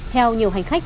theo nhiều hành khách